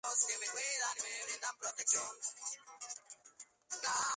Esta descomposición lleva a la transformada de Fourier.